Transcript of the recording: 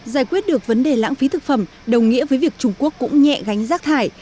giải quyết được vấn đề lãng phí thực phẩm đồng nghĩa với việc trung quốc cũng nhẹ gánh rác thải